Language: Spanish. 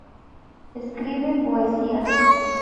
Escribe poesía.